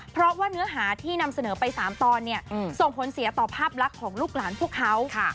เพราะว่าเนื้อหาที่นำเสนอไป๓ตอนเนี่ยส่งผลเสียต่อภาพลักษณ์ของลูกหลานพวกเขา